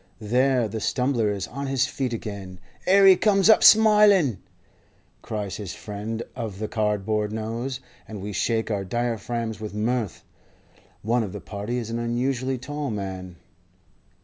There, the stumbler is on his feet again. ''Ere he comes up smilin'!' cries his friend of the cardboard nose, and we shake our diaphragms with mirth. One of the party is an unusually tall man.